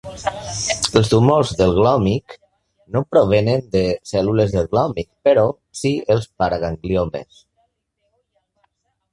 Els tumors del glòmic no provenen de cèl·lules del glòmic, però sí els paragangliomes.